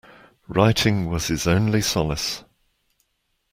Writing was his only solace